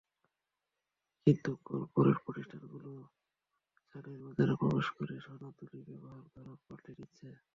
কিন্তু করপোরেট প্রতিষ্ঠানগুলো চালের বাজারে প্রবেশ করে সনাতনী ব্যবসার ধরন পাল্টে দিচ্ছে।